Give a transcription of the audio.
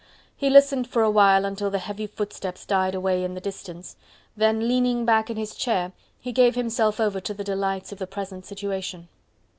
He listened for awhile until the heavy footsteps died away in the distance, then leaning back in his chair, he gave himself over to the delights of the present situation.